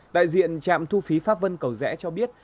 đại diện trạm thu phí pháp vân cầu rẽ cho biết